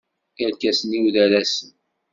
Irkasen-iw d arasen.